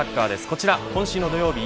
こちら今週の土曜日